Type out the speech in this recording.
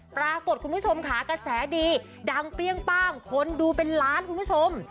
คุณผู้ชมค่ะกระแสดีดังเปรี้ยงป้างคนดูเป็นล้านคุณผู้ชม